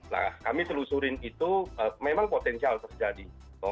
nah kami telusurin itu memang potensial terjadi